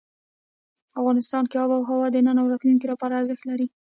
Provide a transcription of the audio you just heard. افغانستان کې آب وهوا د نن او راتلونکي لپاره ارزښت لري.